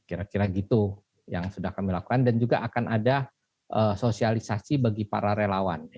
kira kira gitu yang sudah kami lakukan dan juga akan ada sosialisasi bagi para relawan